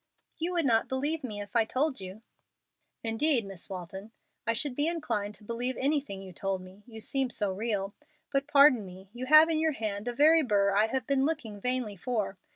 "You would not believe me if I told you." "Indeed, Miss Walton, I should be inclined to believe anything you told me, you seem so real. But, pardon me, you have in your hand the very burr I have been looking vainly for.